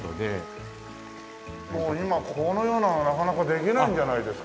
もう今このようなのなかなかできないんじゃないですか？